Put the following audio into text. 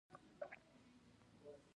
انګلیسي د خبرو هنر ته لاره برابروي